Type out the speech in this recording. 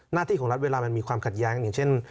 หน้าที่ของรัฐเวลามันมีความขัดแย้งอย่างเช่น